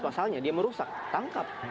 masalahnya dia merusak tangkap